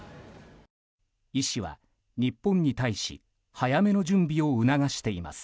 医師は、日本に対し早めの準備を促しています。